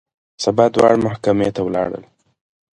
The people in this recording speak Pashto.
سبا دواړه محکمې ته ولاړل.